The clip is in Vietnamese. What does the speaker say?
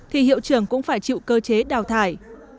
thì hiệu trưởng cũng phải chịu cơ chế đào thải